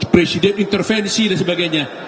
presiden intervensi dan sebagainya